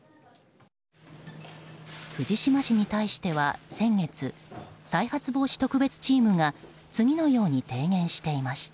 藤島氏に対しては先月再発防止特別チームが次のように提言していました。